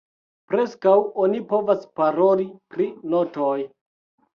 Preskaŭ oni povas paroli pri notoj.